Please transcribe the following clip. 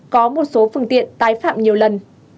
có một số phương tiện tái phạm nhiều lần